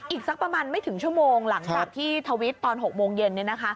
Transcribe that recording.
อีกสักประมาณไม่ถึงชั่วโมงหลังจากที่ทวิตตอน๖โมงเย็น